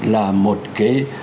là một cái